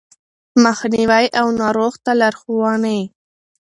مخنيوی او ناروغ ته لارښوونې